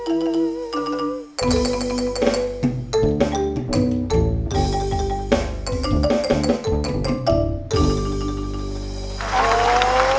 อืม